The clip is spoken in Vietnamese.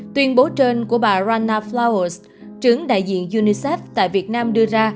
tuyên bố trên của bà rana flowers trưởng đại diện unicef tại việt nam đưa ra